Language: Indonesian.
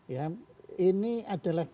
ya ini adalah